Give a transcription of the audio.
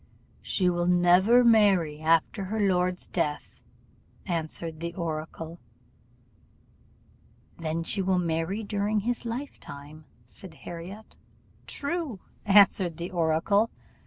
"'She will never marry after her lord's death,' answered the oracle. 'Then she will marry during his lifetime,' said Harriot. 'True,' answered the oracle.